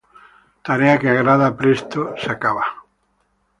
Tarea que agrada presto se acaba.